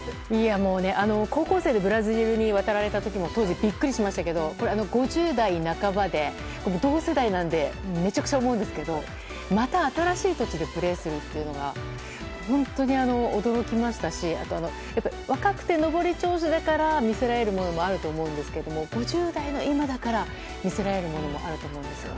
もう、高校生でブラジルに渡られた時も当時ビックリしましたけど５０代半ばで同世代なのでめちゃくちゃ思うんですけどまた、新しい土地でプレーするというのは本当に驚きましたし若くて上り調子だから見せられるものもあると思うんですけど５０代の今だから見せられるものもあると思うんですよね。